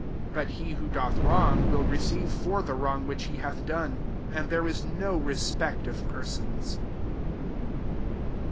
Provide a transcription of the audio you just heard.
93 But he vho doth wrong, will receive or the wrong which he hath lone: and there is no respect >f persons.